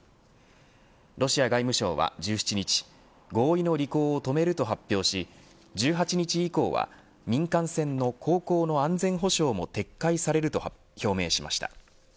ロシア外務省は１７日合意の履行を止めると発表し１８日以降は民間船の航行の安全保障も撤回されると表明しました。